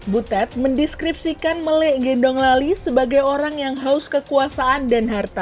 butet mendeskripsikan melek gendong lali sebagai orang yang haus kekuasaan dan harta